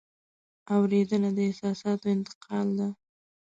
اورېدنه د احساساتو انتقال ده.